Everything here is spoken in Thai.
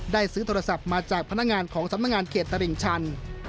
ซื้อโทรศัพท์มาจากพนักงานของสำนักงานเขตตลิ่งชัน